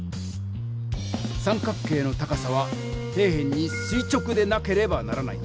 三角形の高さは底辺にすい直でなければならない。